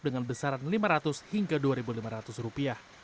dengan besaran rp lima ratus hingga rp dua lima ratus